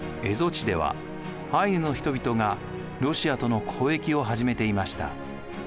蝦夷地ではアイヌの人々がロシアとの交易を始めていました。